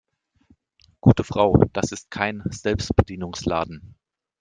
Gute Frau, das ist kein Selbstbedienungsladen.